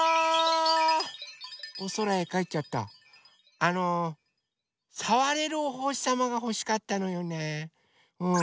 あのさわれるおほしさまがほしかったのよねうん。